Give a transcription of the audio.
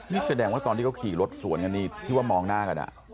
นี่แสดงว่าตอนที่เขาขี่รถสวนกันนี่ที่ว่ามองหน้ากัน